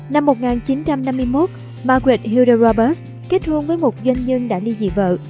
năm một nghìn chín trăm năm mươi một margaret hilde roberts kết hôn với một doanh nhân đã đi dị vợ